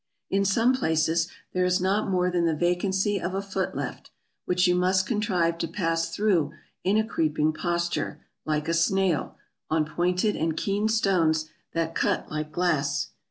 In some places there is not more than the vacancy of a foot left, which you must contrive to pass through in a creeping posture, like a snail, on pointed and keen stones that cut like glass.